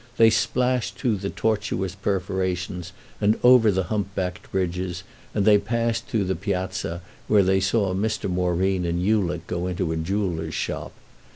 They splashed through the tortuous perforations and over the humpbacked bridges, and they passed through the Piazza, where they saw Mr. Moreen and Ulick go into a jeweller's shop.